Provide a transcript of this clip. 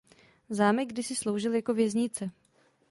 Zámek kdysi sloužil jako věznice.